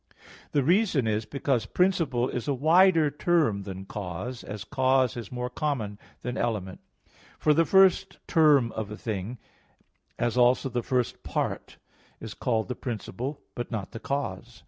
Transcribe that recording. The reason is because "principle" is a wider term than "cause"; as "cause" is more common than "element." For the first term of a thing, as also the first part, is called the principle, but not the cause.